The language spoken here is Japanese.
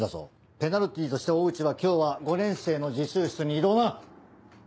ペナルティーとして大内は今日は５年生の自習室に移動だ。